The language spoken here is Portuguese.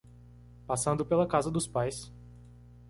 Passando pela casa dos pais